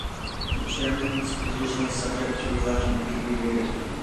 The chairman's position is subject to re-election every three years.